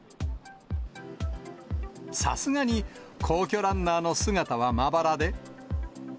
さすがに、皇居ランナーの姿はまばらで。